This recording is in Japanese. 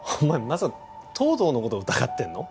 まさか東堂のこと疑ってんの？